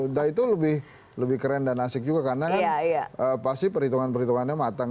udah itu lebih keren dan asik juga karena kan pasti perhitungan perhitungannya matang